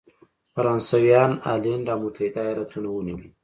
فرانسویانو هالنډ او متحد ایالتونه ونیولې.